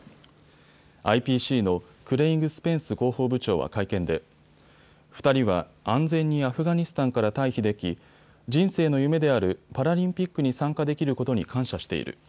ＩＰＣのクレイグ・スペンス広報部長は会見で２人は安全にアフガニスタンから待避でき人生の夢であるパラリンピックに参加できることに感謝している。